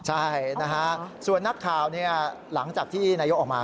ใช่นะฮะส่วนนักข่าวหลังจากที่นายกออกมา